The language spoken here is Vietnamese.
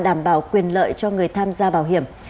đảm bảo quyền lợi cho người tham gia bảo hiểm